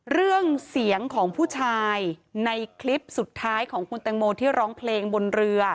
เรื่องเสียงของผู้ชายในคลิปสุดท้ายของคุณแตงโมที่ร้องเพลงบนเรือ